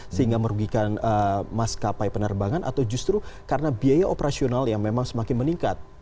sehingga merugikan maskapai penerbangan atau justru karena biaya operasional yang memang semakin meningkat